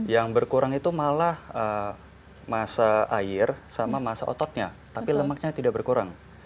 yang berkurang itu malah masa air sama masa ototnya tapi lemaknya tidak berkurang